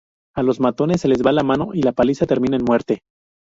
A los matones se les va la mano y la paliza termina en muerte.